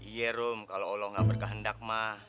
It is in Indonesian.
iya rum kalau allah gak berkendak mah